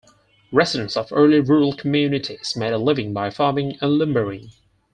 Residents of early rural communities made a living by farming and lumbering.